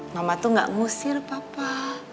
mama tuh gak ngusir papa